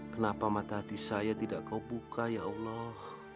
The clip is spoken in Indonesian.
kenapa mata hati saya tidak kau buka ya allah